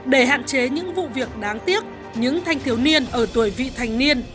để hạn chế những vụ việc đáng tiếc những thanh thiếu niên ở tuổi vị thành niên